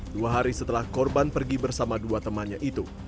dua hari setelah korban pergi bersama dua temannya itu